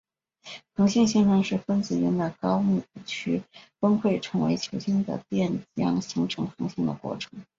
恒星形成是分子云的高密度区崩溃成为球形的电浆形成恒星的过程。